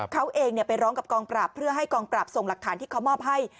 เขาเองไปร้องกับกองปราบเพื่อให้กองปราบส่งหลักฐานที่เขามอบให้